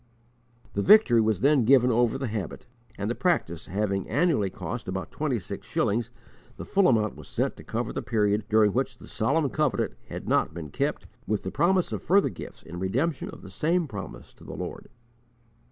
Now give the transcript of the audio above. The victory was then given over the habit, and, the practice having annually cost about twenty six shillings, the full amount was sent to cover the period during which the solemn covenant had not been kept, with the promise of further gifts in redemption of the same promise to the Lord.